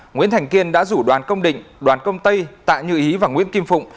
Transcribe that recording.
nguyễn thành kiên đã rủ đoàn công định đoàn công tây tạ như ý và nguyễn kim phụng